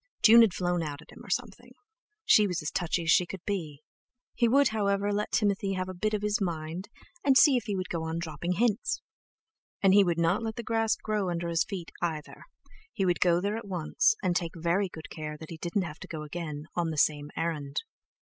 June had flown out at him, or something; she was as touchy as she could be! He would, however, let Timothy have a bit of his mind, and see if he would go on dropping hints! And he would not let the grass grow under his feet either, he would go there at once, and take very good care that he didn't have to go again on the same errand.